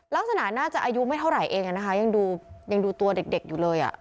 เล่าสนานน่าจะอายุไม่เท่าไหร่เองอ่ะนะคะยังดูยังดูตัวเด็กเด็กอยู่เลยอ่ะ